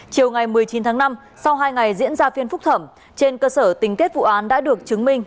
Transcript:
chiều một mươi chín tháng năm sau hai ngày diễn ra phiên phúc thẩm trên cơ sở tính kết vụ án đã được chứng minh